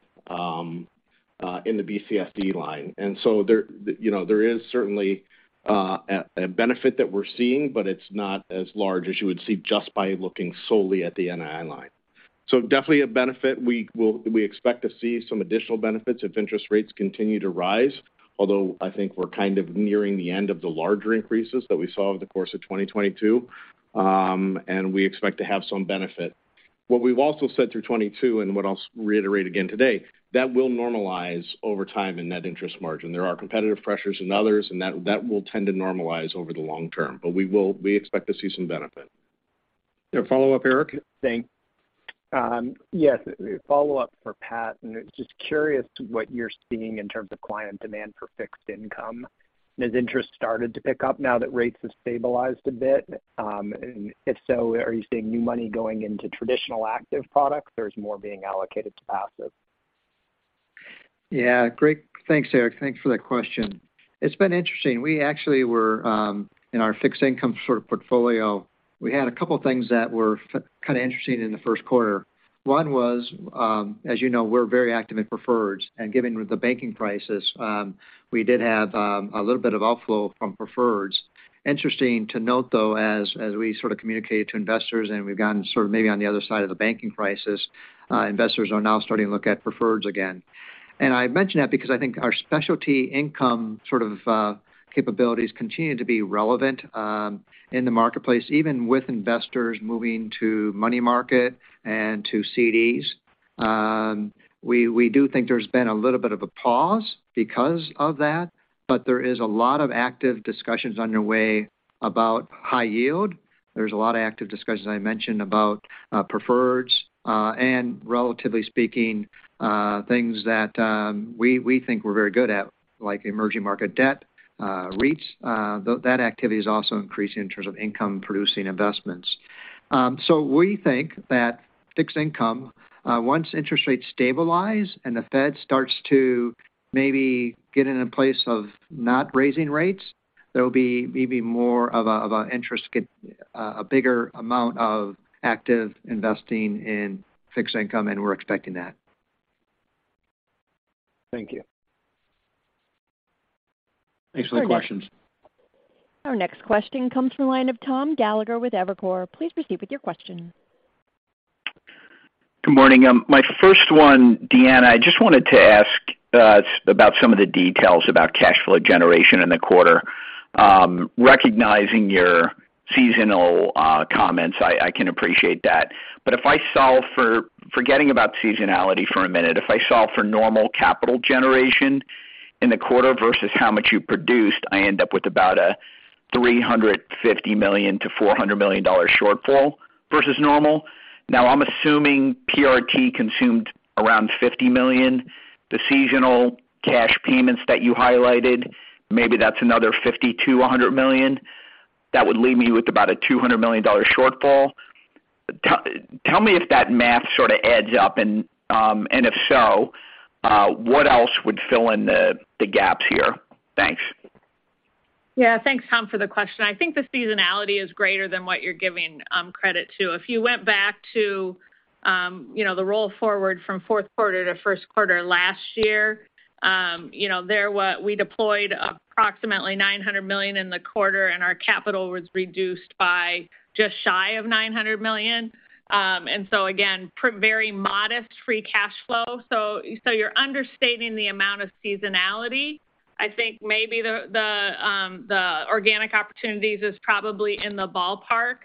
in the BCSD line. There, you know, there is certainly a benefit that we're seeing, but it's not as large as you would see just by looking solely at the NII line. Definitely a benefit. We expect to see some additional benefits if interest rates continue to rise, although I think we're kind of nearing the end of the larger increases that we saw over the course of 2022, and we expect to have some benefit. What we've also said through 2022 and what I'll reiterate again today, that will normalize over time in net interest margin. There are competitive pressures in others, and that will tend to normalize over the long term. We expect to see some benefit. Is there a follow-up, Erik? Thanks. Yes, a follow-up for Pat, just curious what you're seeing in terms of client demand for fixed income. Has interest started to pick up now that rates have stabilized a bit? If so, are you seeing new money going into traditional active products? There's more being allocated to passive. Yeah. Great. Thanks, Erik. Thanks for that question. It's been interesting. We actually were in our fixed income sort of portfolio, we had a couple things that were kind of interesting in the first quarter. One was, as you know, we're very active in preferreds, and given the banking crisis, we did have a little bit of outflow from preferreds. Interesting to note, though, as we sort of communicated to investors, and we've gotten sort of maybe on the other side of the banking crisis, investors are now starting to look at preferreds again. I mention that because I think our specialty income sort of capabilities continue to be relevant in the marketplace, even with investors moving to money market and to CDs. We, we do think there's been a little bit of a pause because of that, but there is a lot of active discussions underway about high yield. There's a lot of active discussions I mentioned about preferreds, and relatively speaking, things that we think we're very good at, like emerging market debt, REITs. That activity is also increasing in terms of income producing investments. We think that fixed income, once interest rates stabilize and the Fed starts to maybe get in a place of not raising rates, there will be maybe more of a, of a interest get, a bigger amount of active investing in fixed income, and we're expecting that. Thank you. Thanks for the questions. Our next question comes from the line of ce. Please proceed with your question. Good morning. My first one, Deanna, I just wanted to ask about some of the details about cash flow generation in the quarter. Recognizing your seasonal comments, I can appreciate that. If I solve for, forgetting about seasonality for a minute, if I solve for normal capital generation in the quarter versus how much you produced, I end up with about a $350 million-$400 million shortfall versus normal. Now, I'm assuming PRT consumed around $50 million. The seasonal cash payments that you highlighted, maybe that's another $50 million-$100 million. That would leave me with about a $200 million shortfall. Tell me if that math sort of adds up, and if so, what else would fill in the gaps here? Thanks. Yeah. Thanks, Tom, for the question. I think the seasonality is greater than what you're giving credit to. If you went back to, you know, the roll forward from fourth quarter to first quarter last year, you know, we deployed approximately $900 million in the quarter, and our capital was reduced by just shy of $900 million. Again, very modest free cash flow. You're understating the amount of seasonality. I think maybe the organic opportunities is probably in the ballpark.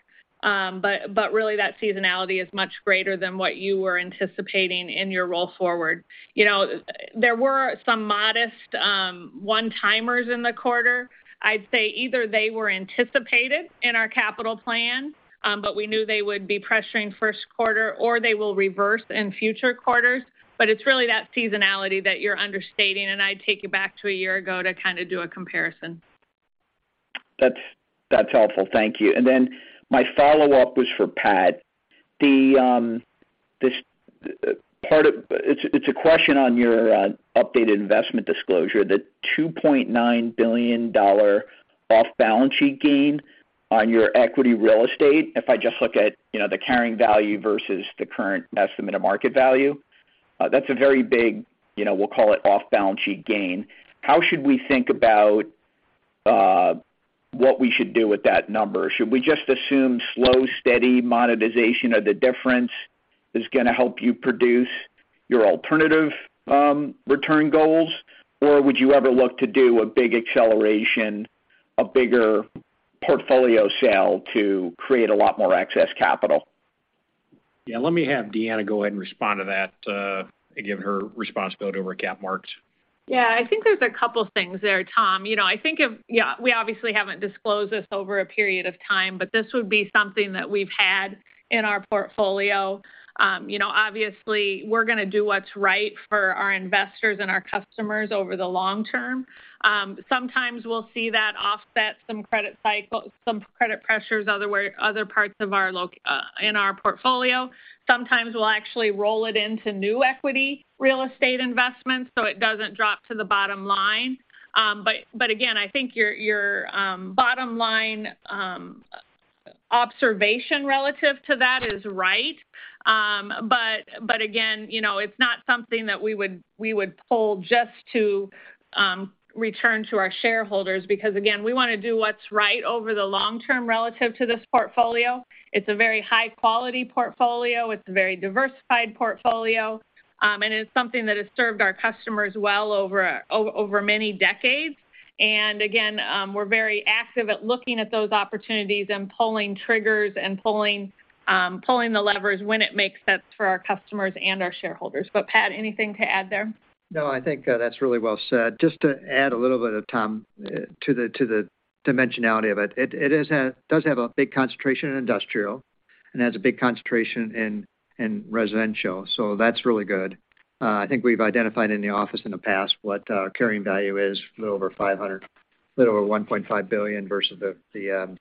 Really that seasonality is much greater than what you were anticipating in your roll forward. You know, there were some modest, one-timers in the quarter. I'd say either they were anticipated in our capital plan, but we knew they would be pressuring first quarter or they will reverse in future quarters. It's really that seasonality that you're understating, and I'd take you back to a year ago to kind of do a comparison. That's helpful. Thank you. Then my follow-up was for Pat. It's a question on your updated investment disclosure, the $2.9 billion off-balance-sheet gain on your equity real estate. If I just look at, you know, the carrying value versus the current estimated market value, that's a very big, you know, we'll call it off-balance-sheet gain. How should we think about what we should do with that number? Should we just assume slow, steady monetization of the difference is gonna help you produce your alternative return goals? Would you ever look to do a big acceleration, a bigger portfolio sale to create a lot more excess capital? Let me have Deanna go ahead and respond to that, given her responsibility over cap marks. Yeah. I think there's a couple things there, Tom. You know, Yeah, we obviously haven't disclosed this over a period of time, but this would be something that we've had in our portfolio. You know, obviously we're gonna do what's right for our investors and our customers over the long term. Sometimes we'll see that offset some credit cycle, some credit pressures other way, other parts of our portfolio. Sometimes we'll actually roll it into new equity real estate investments, so it doesn't drop to the bottom line. Again, I think your bottom line observation relative to that is right. Again, you know, it's not something that we would pull just to return to our shareholders because, again, we wanna do what's right over the long term relative to this portfolio. It's a very high quality portfolio. It's a very diversified portfolio. And it's something that has served our customers well over many decades. Again, we're very active at looking at those opportunities and pulling triggers and pulling the levers when it makes sense for our customers and our shareholders. Pat, anything to add there? No, I think, that's really well said. Just to add a little bit, Tom, to the dimensionality of it. It does have a big concentration in industrial and has a big concentration in residential, so that's really good. I think we've identified in the office in the past what, carrying value is, a little over 500, a little over $1.5 billion versus the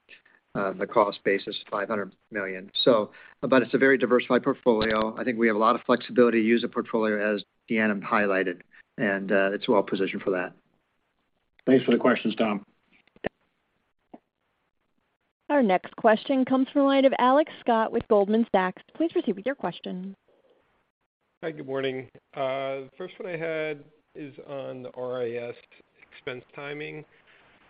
cost basis, $500 million. It's a very diversified portfolio. I think we have a lot of flexibility to use the portfolio as Deanne highlighted, and, it's well-positioned for that. Thanks for the questions, Tom. Our next question comes from the line of Alex Scott with Goldman Sachs. Please proceed with your question. Hi, good morning. First one I had is on the RIS expense timing.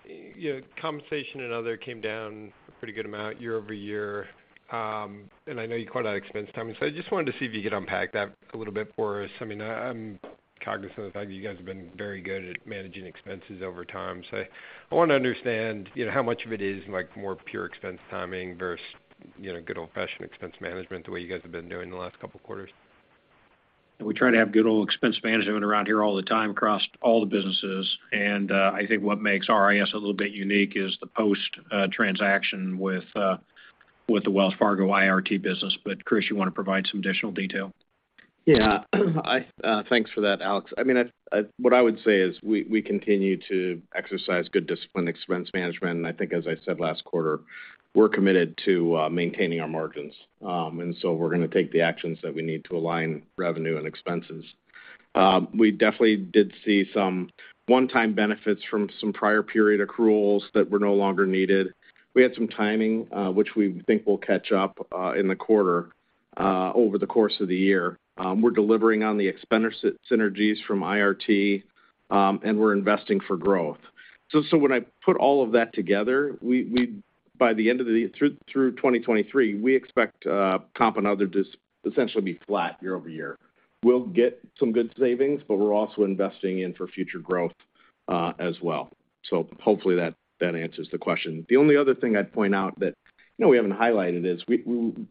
You know, compensation and other came down a pretty good amount year-over-year. I know you called out expense timing. I just wanted to see if you could unpack that a little bit for us. I mean, I'm cognizant of the fact that you guys have been very good at managing expenses over time. I want to understand, you know, how much of it is like more pure expense timing versus, you know, good old-fashioned expense management the way you guys have been doing the last couple quarters. We try to have good old expense management around here all the time across all the businesses. I think what makes RIS a little bit unique is the post transaction with the Wells Fargo IRT business. Chris, you want to provide some additional detail? Yeah. I, thanks for that, Alex. I mean, what I would say is we continue to exercise good discipline expense management. I think as I said last quarter, we're committed to maintaining our margins. We're gonna take the actions that we need to align revenue and expenses. We definitely did see some one-time benefits from some prior period accruals that were no longer needed. We had some timing, which we think will catch up in the quarter over the course of the year. We're delivering on the expenditure synergies from IRT, and we're investing for growth. When I put all of that together, by the end of the year through 2023, we expect comp and other to essentially be flat year-over-year. We'll get some good savings. We're also investing in for future growth as well. Hopefully that answers the question. The only other thing I'd point out that, you know, we haven't highlighted is we, when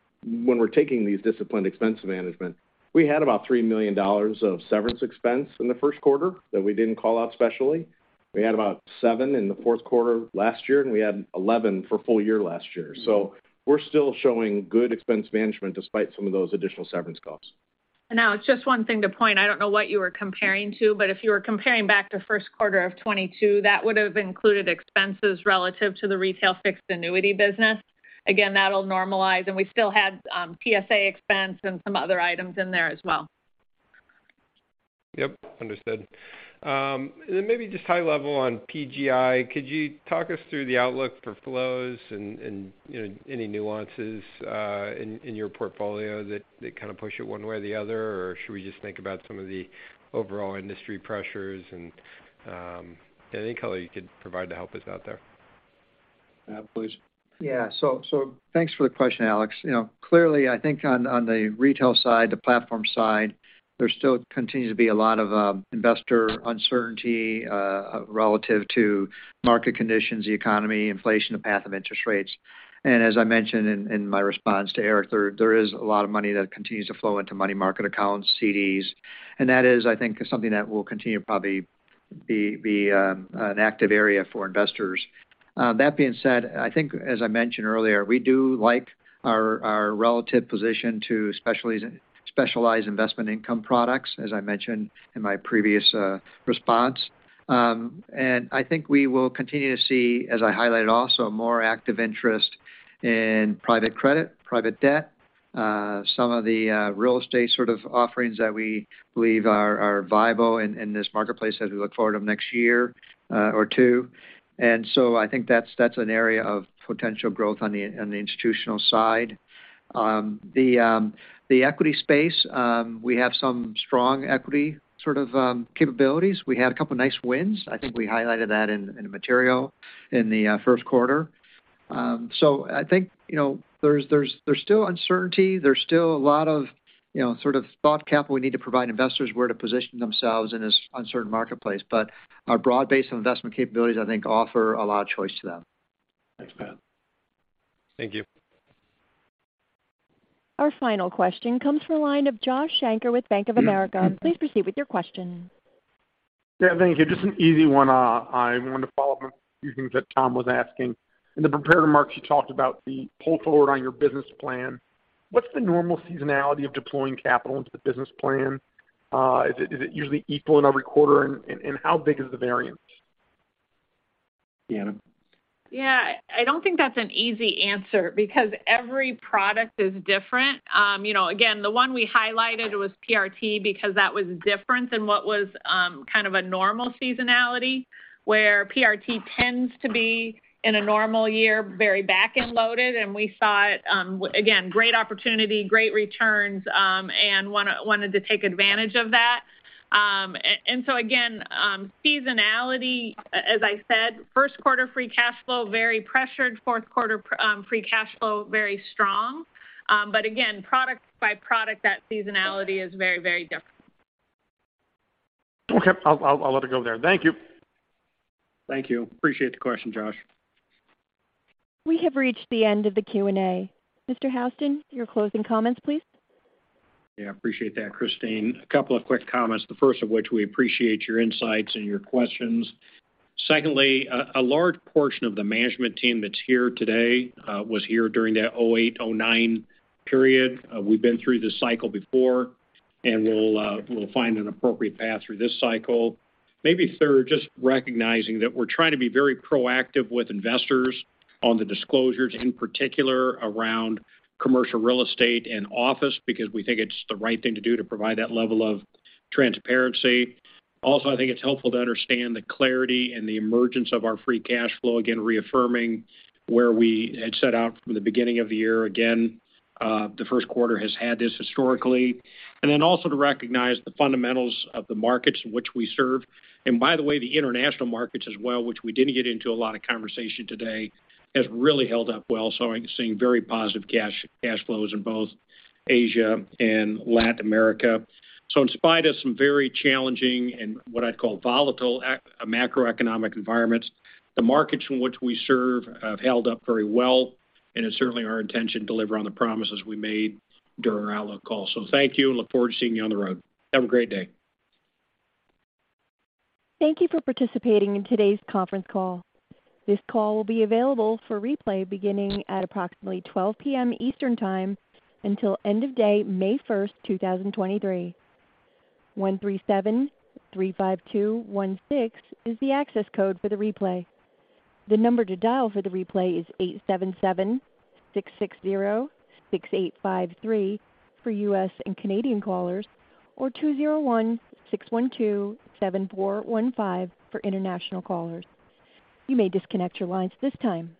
we're taking these disciplined expense management, we had about $3 million of severance expense in the first quarter that we didn't call out especially. We had about $7 million in the fourth quarter last year. We had $11 million for full year last year. We're still showing good expense management despite some of those additional severance costs. Now just one thing to point, I don't know what you were comparing to, but if you were comparing back to first quarter of 2022, that would have included expenses relative to the retail fixed annuity business. Again, that'll normalize, and we still had PSA expense and some other items in there as well. Yep, understood. Then maybe just high level on PGI. Could you talk us through the outlook for flows and, you know, any nuances in your portfolio that kind of push it one way or the other? Or should we just think about some of the overall industry pressures? Any color you could provide to help us out there. Pat, please. Thanks for the question, Alex. You know, clearly, I think on the retail side, the platform side, there still continues to be a lot of investor uncertainty relative to market conditions, the economy, inflation, the path of interest rates. As I mentioned in my response to Erik, there is a lot of money that continues to flow into money market accounts, CDs. That is, I think, something that will continue to probably be an active area for investors. That being said, I think as I mentioned earlier, we do like our relative position to specialized investment income products, as I mentioned in my previous response. I think we will continue to see, as I highlighted also, more active interest in private credit, private debt, some of the real estate sort of offerings that we believe are viable in this marketplace as we look forward over the next year or two. I think that's an area of potential growth on the institutional side. The equity space, we have some strong equity sort of capabilities. We had a couple nice wins. I think we highlighted that in the material in the first quarter. I think, you know, there's, there's still uncertainty. There's still a lot of, you know, sort of thought capital we need to provide investors where to position themselves in this uncertain marketplace. Our broad base of investment capabilities, I think, offer a lot of choice to them. Thanks, Pat. Thank you. Our final question comes from the line of Josh Shanker with Bank of America. Please proceed with your question. Yeah, thank you. Just an easy one. I want to follow up on a few things that Tom was asking. In the prepared remarks, you talked about the pull-forward on your business plan. What's the normal seasonality of deploying capital into the business plan? Is it usually equal in every quarter? How big is the variance? Deanna. Yeah. I don't think that's an easy answer because every product is different. you know, again, the one we highlighted was PRT because that was different than what was kind of a normal seasonality, where PRT tends to be, in a normal year, very back-end loaded, and we saw it again, great opportunity, great returns, and wanted to take advantage of that. Again, seasonality, as I said, first quarter free cash flow, very pressured. Fourth quarter free cash flow, very strong. Again, product by product, that seasonality is very, very different. Okay. I'll let it go there. Thank you. Thank you. Appreciate the question, Josh. We have reached the end of the Q&A. Mr. Houston, your closing comments, please. Yeah, appreciate that, Christine. A couple of quick comments, the first of which we appreciate your insights and your questions. Secondly, a large portion of the management team that's here today was here during that 2008, 2009 period. We've been through this cycle before, and we'll find an appropriate path through this cycle. Maybe third, just recognizing that we're trying to be very proactive with investors on the disclosures, in particular around commercial real estate and office, because we think it's the right thing to do to provide that level of transparency. Also, I think it's helpful to understand the clarity and the emergence of our free cash flow, again, reaffirming where we had set out from the beginning of the year. Again, the first quarter has had this historically. Also to recognize the fundamentals of the markets in which we serve. By the way, the international markets as well, which we didn't get into a lot of conversation today, has really held up well, so I'm seeing very positive cash flows in both Asia and Latin America. In spite of some very challenging and what I'd call volatile macroeconomic environments, the markets in which we serve have held up very well, and it's certainly our intention to deliver on the promises we made during our outlook call. Thank you, and look forward to seeing you on the road. Have a great day. Thank you for participating in today's conference call. This call will be available for replay beginning at approximately 12:00 P.M. Eastern Time until end of day May first, 2023. 13735216 is the access code for the replay. The number to dial for the replay is 8776606853 for U.S. and Canadian callers or 2016127415 for international callers. You may disconnect your lines this time.